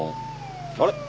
あれ？